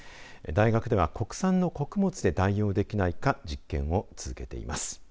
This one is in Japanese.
大学では国産の穀物で代用できないか実験を続けています。